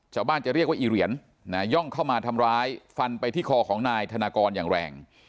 ชาวบ้านจะเรียกว่าอีเหรียญย่องเข้ามาทำร้ายฟันไปที่คอของนายธนากรอย่างแรง